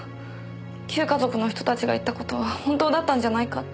旧華族の人たちが言った事は本当だったんじゃないかって。